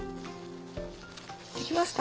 できました。